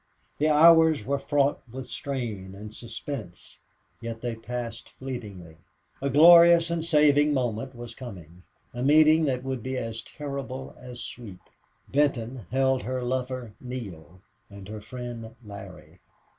The hours were fraught with strain and suspense, yet they passed fleetingly. A glorious and saving moment was coming a meeting that would be as terrible as sweet. Benton held her lover Neale and her friend Larry.